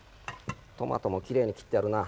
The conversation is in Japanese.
トマトもきれいに切ってあるな。